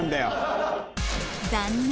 残念！